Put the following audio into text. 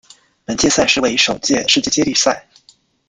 本届赛事为首届世界接力赛。